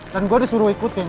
dan gue disuruh ikutin